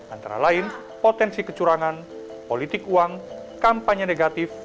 antara lain potensi kecurangan politik uang kampanye negatif